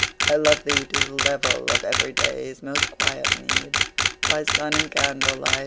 I love thee to the level of everyday's Most quiet need, by sun and candlelight.